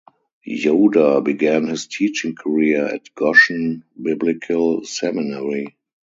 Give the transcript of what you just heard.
Yoder began his teaching career at Goshen Biblical Seminary.